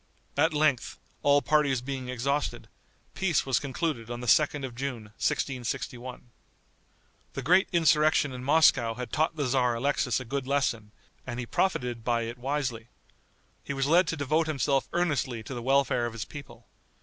At length, all parties being exhausted, peace was concluded on the 2d of June, 1661. The great insurrection in Moscow had taught the tzar Alexis a good lesson, and he profited by it wisely. He was led to devote himself earnestly to the welfare of his people.